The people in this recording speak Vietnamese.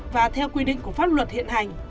và theo quy định của pháp luật hiện hành